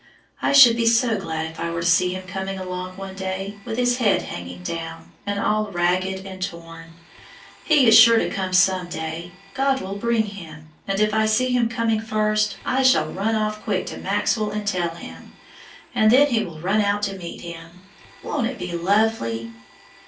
I should be so glad if I were to see him coming along one day with his head hanging down, and all ragged and torn. He is sure to come some day God will bring him and if I see him coming first, I shall run off quick to Maxwell and tell him, and then he will run out to meet him. Won't it be lovely?"